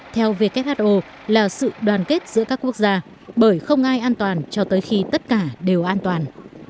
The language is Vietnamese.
theo who là sự đoàn kết giữa các quốc gia bởi không ai an toàn cho tới khi tất cả đều an toàn